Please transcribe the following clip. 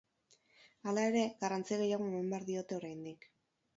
Hala ere, garrantzi gehiago eman behar diote oraindik.